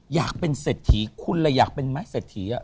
อยากเป็นเศรษฐีคุณเลยอยากเป็นไหมเศรษฐี